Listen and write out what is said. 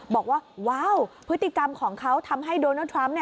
บอกว่าว้าวพฤติกรรมของเขาทำให้โดนัลดทรัมป์